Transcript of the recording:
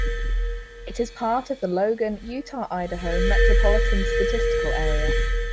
It is part of the Logan, Utah-Idaho Metropolitan Statistical Area.